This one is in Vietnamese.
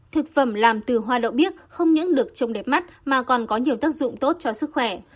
thực phẩm làm từ hoa đậu không những được trông đẹp mắt mà còn có nhiều tác dụng tốt cho sức khỏe